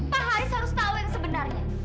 per haris harus tahu yang sebenarnya